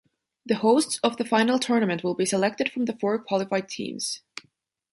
The hosts of the final tournament will be selected from the four qualified teams.